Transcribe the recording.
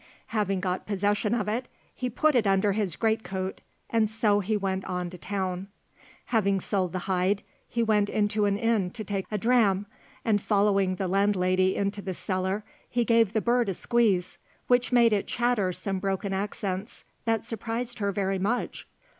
Having got possession of it, he put it under his greatcoat, and so went on to town. Having sold the hide, he went into an inn to take a dram, and following the landlady into the cellar, he gave the bird a squeeze which made it chatter some broken accents that surprised her very much.